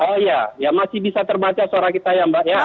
oh iya masih bisa terbaca suara kita ya mbak